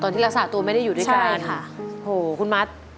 ตอนที่รักษาตัวไม่ได้อยู่ด้วยกันค่ะค่ะโอ้โฮคุณมาร์ท